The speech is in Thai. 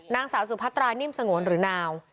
นางสาวสุพัตรานิ่มสงวนหรือนาว